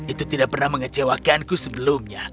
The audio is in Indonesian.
itu tidak pernah mengecewakanku sebelumnya